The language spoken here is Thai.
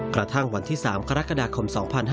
กระทั่งวันที่๓กรกฎาคม๒๕๕๙